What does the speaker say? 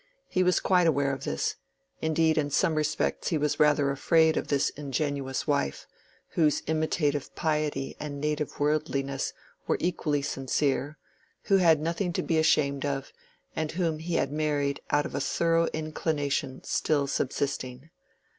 He was quite aware of this; indeed in some respects he was rather afraid of this ingenuous wife, whose imitative piety and native worldliness were equally sincere, who had nothing to be ashamed of, and whom he had married out of a thorough inclination still subsisting.